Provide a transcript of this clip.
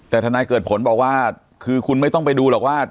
แต่ทนายเกิดผลบอกว่าคือคุณไม่ต้องไปดูหรอกว่า